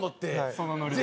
そのノリで。